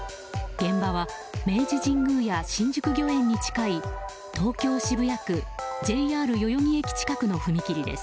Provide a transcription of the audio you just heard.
現場は明治神宮や新宿御苑に近い東京・渋谷区ＪＲ代々木駅近くの踏切です。